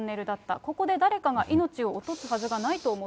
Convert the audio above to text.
ここで誰かが命を落とすはずがないと思ったと。